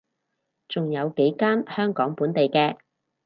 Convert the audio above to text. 仲有幾間香港本地嘅